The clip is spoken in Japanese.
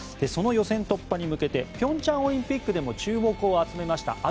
その予選突破に向けて平昌オリンピックでも注目を集めました